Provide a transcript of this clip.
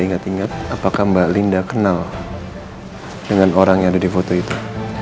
coba tolong mba linda perhatikan village yang ada di foto ini